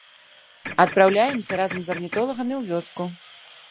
Адпраўляемся разам з арнітолагамі ў вёску.